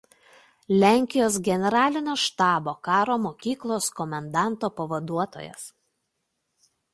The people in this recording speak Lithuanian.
Lenkijos Generalinio štabo karo mokyklos komendanto pavaduotojas.